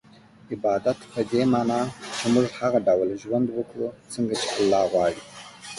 عبادت په دې مانا چي موږ هغه ډول ژوند وکړو څنګه چي الله غواړي